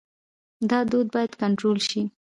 دا دود باید کنټرول شي.